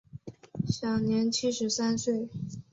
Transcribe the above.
享年七十三岁。